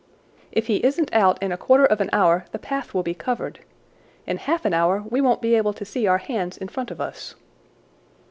"If he isn't out in a quarter of an hour the path will be covered. In half an hour we won't be able to see our hands in front of us."